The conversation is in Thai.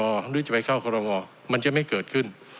หรือจะไปเข้าคอรมอมันจะไม่เกิดขึ้น